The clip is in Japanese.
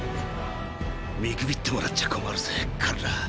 見くびってもらっちゃ困るぜカルラ。